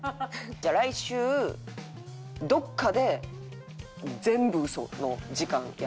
じゃあ来週どっかで全部ウソの時間やろう。